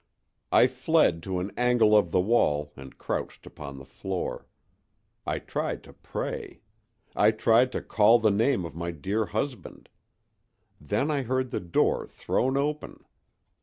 I fled to an angle of the wall and crouched upon the floor. I tried to pray. I tried to call the name of my dear husband. Then I heard the door thrown open.